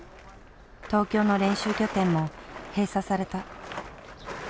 東京の練習拠点も閉鎖された。